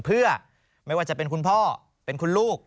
เพื่อไม่ว่าจะเป็นคุณพ่อเป็นคุณลูก